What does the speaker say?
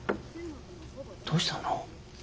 どうしたの？